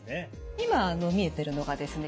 今見えてるのがですね